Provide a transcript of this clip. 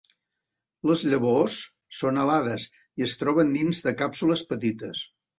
Les llavors són alades i es troben dins de càpsules petites.